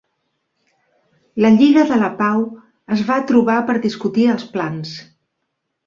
La lliga de la pau es va trobar per discutir els plans.